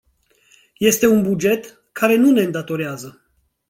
Este un buget care nu ne îndatorează.